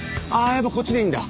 やっぱこっちでいいんだ。